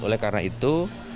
oleh karena itu